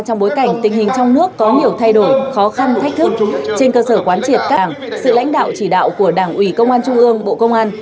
trong bối cảnh tình hình trong nước có nhiều thay đổi khó khăn thách thức trên cơ sở quán triệt cảng sự lãnh đạo chỉ đạo của đảng ủy công an trung ương bộ công an